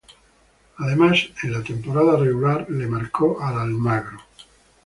Además en la temporada regular le marcó al Almagro.